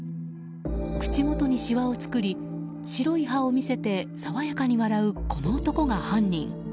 口元にしわを作り白い歯を見せて爽やかに笑うこの男が犯人。